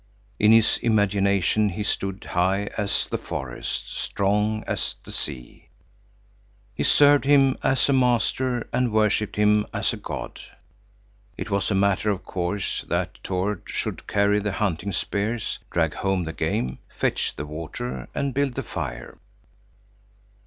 In his imagination he stood high as the forest, strong as the sea. He served him as a master and worshipped him as a god. It was a matter of course that Tord should carry the hunting spears, drag home the game, fetch the water and build the fire.